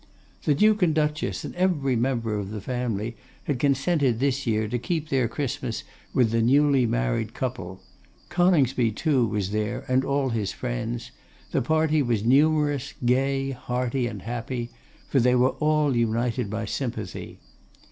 The Duke and Duchess, and every member of the family, had consented this year to keep their Christmas with the newly married couple. Coningsby, too, was there, and all his friends. The party was numerous, gay, hearty, and happy; for they were all united by sympathy.